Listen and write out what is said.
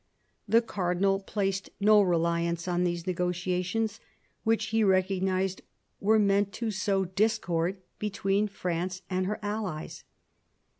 The cardinal placed no reliance on these negotiations, which he recognised were meant to sow discord between France and her allies.